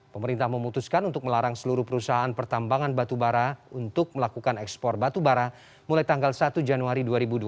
pemerintah memutuskan untuk melarang seluruh perusahaan pertambangan batubara untuk melakukan ekspor batubara mulai tanggal satu januari dua ribu dua puluh